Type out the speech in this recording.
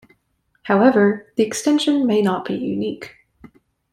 However, the extension may not be unique.